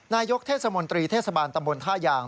นายกเทศมนตรีเทศบาลตำบลท่ายาง